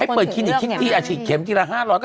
ให้เปิดคลินิกที่อาศิเข็มกี่ละ๕๐๐ก็ได้เงินเยอะมาก